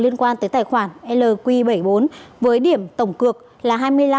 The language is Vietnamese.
liên quan tới tài khoản lq bảy mươi bốn với điểm tổng cược là hai mươi năm bảy trăm năm mươi bốn một trăm bốn mươi một